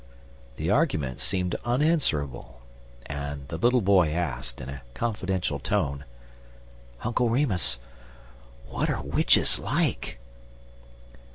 The argument seemed unanswerable, and the little boy asked, in a confidential tone: "Uncle Remus, what are witches like?"